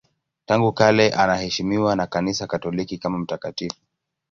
Tangu kale anaheshimiwa na Kanisa Katoliki kama mtakatifu.